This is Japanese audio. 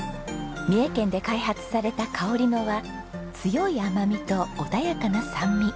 三重県で開発されたかおり野は強い甘みと穏やかな酸味。